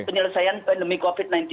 penyelesaian pandemi covid sembilan belas